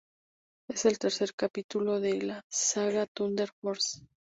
Es el tercer capítulo de la saga Thunder Force.